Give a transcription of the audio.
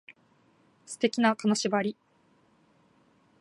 素敵な金縛り